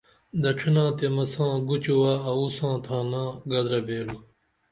دڇھینا تے مساں گوچوہ اوو ساں تھانہ گدرہ بیرو